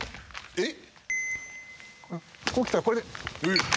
えっ。